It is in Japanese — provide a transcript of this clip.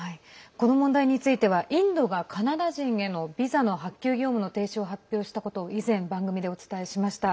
この問題についてはインドがカナダ人へのビザの発給業務の停止を発表したことを以前、番組でお伝えしました。